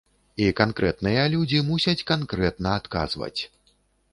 І канкрэтныя людзі мусяць канкрэтна адказваць.